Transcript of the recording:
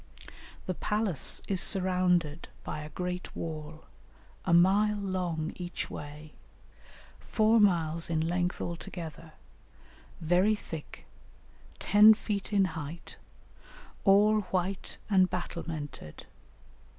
"The palace is surrounded by a great wall, a mile long each way, four miles in length altogether, very thick, ten feet in height, all white and battlemented.